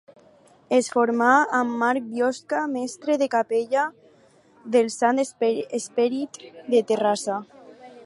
Es formà amb Marc Biosca, mestre de capella del Sant Esperit de Terrassa.